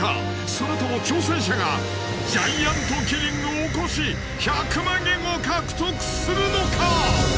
それとも挑戦者がジャイアントキリングを起こし１００万円を獲得するのか！？